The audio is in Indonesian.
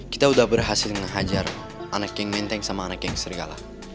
kita udah berhasil ngehajar anak king minteng sama anak king sergala